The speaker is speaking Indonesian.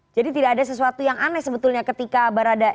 jadi tidak ada sesuatu yang aneh sebetulnya ketika berada